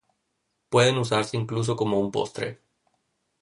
Pueden usarse incluso como un postre.